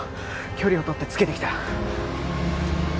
距離をとってつけてきた